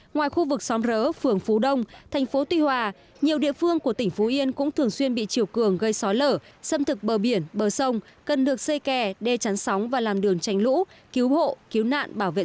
ngoài khu vực xóm rỡ phường phú đông thành phố tuy hòa nhiều địa phương của tỉnh phú yên cũng thường xuyên bị chiều cường gây sói lở xâm thực bờ biển bờ sông cần được xây kè đê chắn sóng và làm đường tránh lũ cứu hộ cứu nạn bảo vệ rừng